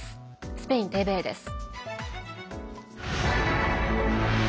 スペインＴＶＥです。